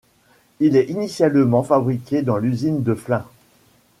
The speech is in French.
Elle est initialement fabriquée dans l'usine de Flins.